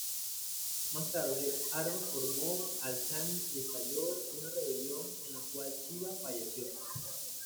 Más tarde, Arba formó Al-Thamen y estalló una rebelión, en la cual Sheba falleció.